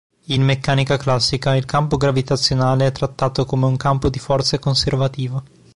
In meccanica classica il campo gravitazionale è trattato come un campo di forze conservativo.